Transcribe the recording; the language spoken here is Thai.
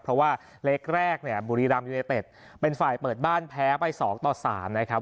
เพราะว่าเล็กแรกเนี่ยบุรีรัมยูเนเต็ดเป็นฝ่ายเปิดบ้านแพ้ไป๒ต่อ๓นะครับ